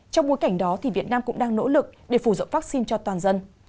trong bối cảnh đó việt nam cũng đang nỗ lực để phủ dọn vaccine cho toàn dân